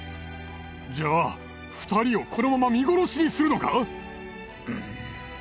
じゃあ２人をこのまま見殺しにするのか？